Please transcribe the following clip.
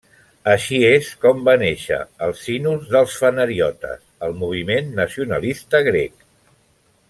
Així és com va néixer, al sinus dels fanariotes, el moviment nacionalista grec.